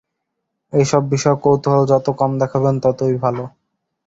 এইসব বিষয়ে কৌতূহল যত কম দেখাবেন ততই ভালো।